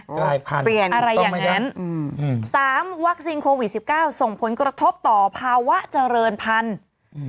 กลายพันธุ์เปลี่ยนอะไรอย่างนั้นอืมสามวัคซีนโควิดสิบเก้าส่งผลกระทบต่อภาวะเจริญพันธุ์อืม